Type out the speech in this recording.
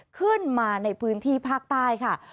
ขึ้นมาในพื้นที่ภาคใต้ค่ะ